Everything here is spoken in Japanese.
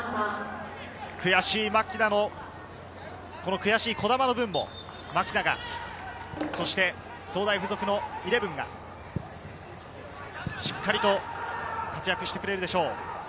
悔しい児玉の分も牧田が、長崎総大附属のイレブンが、しっかり活躍してくれるでしょう。